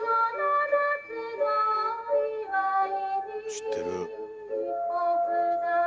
知ってる。